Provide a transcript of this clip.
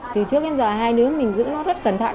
từ trước đến giờ hai đứa mình giữ nó rất cẩn thận